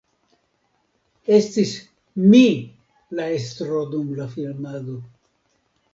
Estis "mi" la estro dum la filmado.